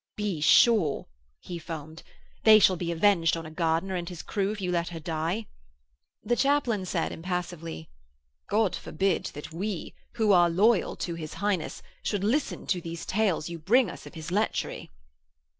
'Be sure,' he foamed, 'they shall be avenged on a Gardiner and his crew if you let her die.' The chaplain said impassively: 'God forbid that we, who are loyal to his Highness, should listen to these tales you bring us of his lechery!'